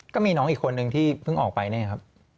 ก็มีน้องอีกคนนึงที่เพิ่งออกไปเนี่ยครับ